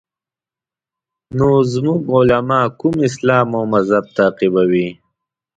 نو زموږ علما کوم اسلام او مذهب تعقیبوي.